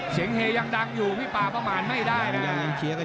เฮยังดังอยู่พี่ป่าประมาณไม่ได้นะ